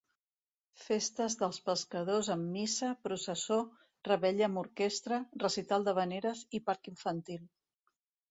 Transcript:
Festes dels Pescadors amb missa, processó, revetlla amb orquestra, recital d'havaneres i parc infantil.